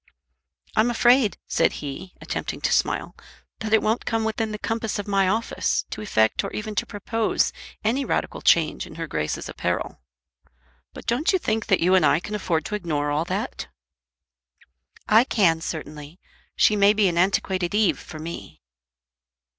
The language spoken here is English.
"I'm afraid," said he, attempting to smile, "that it won't come within the compass of my office to effect or even to propose any radical change in her Grace's apparel. But don't you think that you and I can afford to ignore all that?" "I can certainly. She may be an antiquated Eve for me."